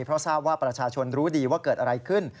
เพราะทราบว่าประชาชนรู้ดีว่าเกิดอะไรขึ้น